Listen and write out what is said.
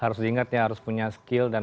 harus diingat ya harus punya skill dan